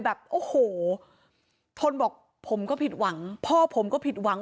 แบบโอ้โหทนบอกผมก็ผิดหวังพ่อผมก็ผิดหวัง